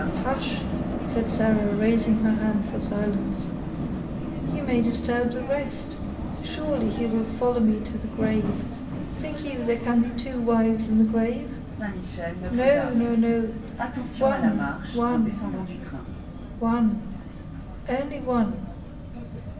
"Hush," said Sarah raising her hand for silence; "you may disturb his rest—surely, he will follow me to the grave. Think you there can be two wives in the grave? No—no—no; one—one—one—only one."